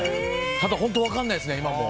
本当分からないですね、今の。